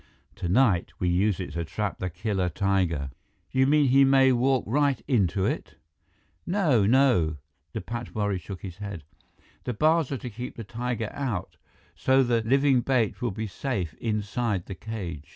Tonight, we use it to trap the killer tiger." "You mean he may walk right into it?" "No, no!" The patwari shook his head. "The bars are to keep the tiger out, so the living bait will be safe inside the cage."